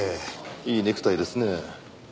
いいネクタイですね。